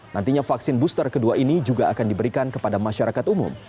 nantinya vaksin booster kedua ini juga akan diberikan kepada masyarakat umum